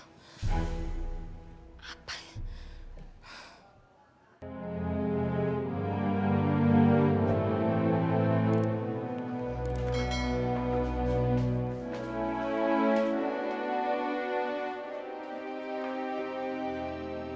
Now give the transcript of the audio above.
aku pasti bisa menanggung perempuan itu